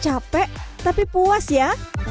capek tapi puas ya